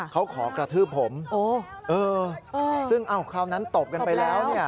เขาขอกระทืบผมซึ่งคราวนั้นตบกันไปแล้ว